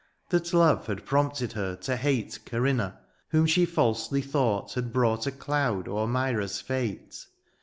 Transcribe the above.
That love had prompted her to hate Corinna, whom she fialsely thought Had brought a doud o^er Myra's fate.